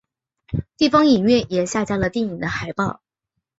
地方影院也下架了电影的海报。